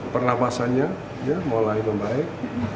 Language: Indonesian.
pernafasannya mulai membaik